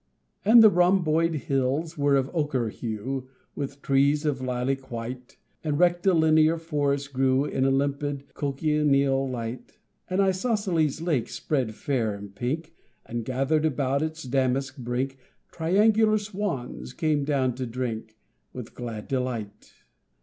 And the rhomboid hills were of ochre hue With trees of lilac white, And rectilinear forests grew In a limpid cochineal light. An isosceles lake spread fair and pink, And, gathered about its damask brink, Triangular swans came down to drink With glad delight.